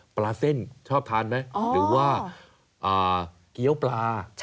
ปลาเส้นชอบทานไหมหรือว่าอ๋อ